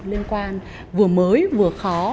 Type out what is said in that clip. liên quan vừa mới vừa khó